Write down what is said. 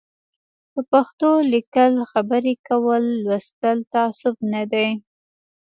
په پښتو لیکل خبري کول لوستل تعصب نه دی